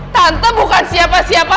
tante bukan siapa siapa